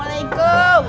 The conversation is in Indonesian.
makanya ada capit